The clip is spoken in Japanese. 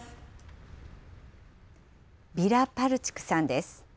ヴィラ・パルチクさんです。